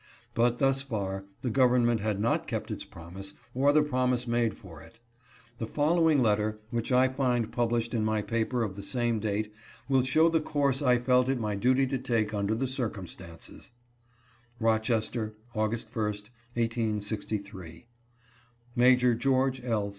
But thus far, the government had not kept its promise, or the promise made for it. The follow ing letter which I find published in my paper of the same date will show the course I felt it my duty to take under the circumstances :" Rochester, August 1st, 1863. "Major George L.